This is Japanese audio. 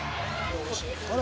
あれ？